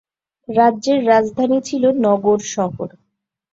রাজ্যের রাজধানী ছিল "নগর" শহর।